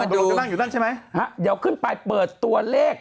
เดี๋ยวขึ้นไปเปิดตัวเลข